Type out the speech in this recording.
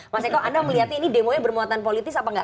mas eko anda melihatnya ini demonya bermuatan politis apa enggak